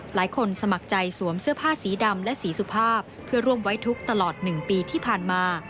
สมัครใจสวมเสื้อผ้าสีดำและสีสุภาพเพื่อร่วมไว้ทุกข์ตลอด๑ปีที่ผ่านมา